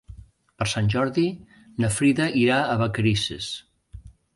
Per Sant Jordi na Frida irà a Vacarisses.